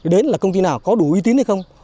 đến là công ty nào có đủ uy tín hay không